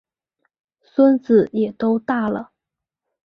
孙子也都大了